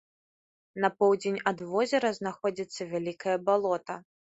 На поўдзень ад возера знаходзіцца вялікае балота.